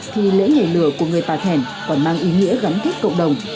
thì lễ nhảy lửa của người bà thẻn còn mang ý nghĩa gắn kết cộng đồng